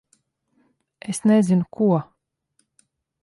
Es nezinu ko...